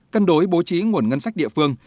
cân đối bố trí nguồn ngân sách địa phương